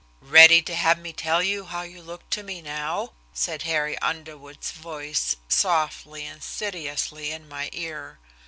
"Ready to have me tell you how you look to me, now?" said Harry Underwood's voice, softly, insidiously in my ear.